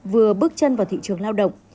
vừa bước chân vào thị trường lao động